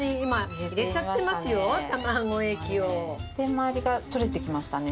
周りが取れてきましたね